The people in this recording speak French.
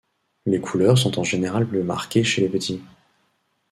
Les couleurs sont en général plus marquées chez les petits.